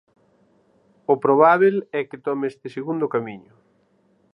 O probábel é que tome este segundo camiño.